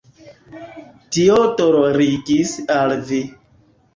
Tio dolorigis al vi.